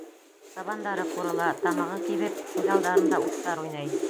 Табандары ҡурыла, тамағы кибеп, күҙ алдарында уттар уйнай.